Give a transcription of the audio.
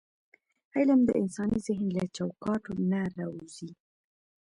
علم د انساني ذهن له چوکاټونه راووځي.